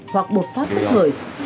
hoặc bột phát bất ngờ